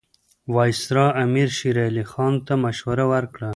وایسرا امیر شېر علي خان ته مشوره ورکړه.